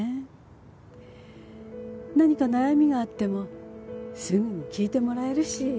何か悩みがあってもすぐに聞いてもらえるし。